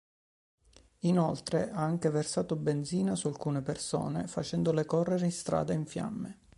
Inoltre ha anche versato benzina su alcune persone, facendole correre in strada in fiamme.